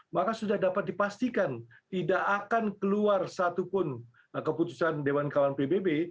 maka sudah dapat dipastikan tidak akan keluar satupun keputusan dewan kawan pbb